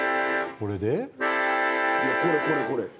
これこれこれ。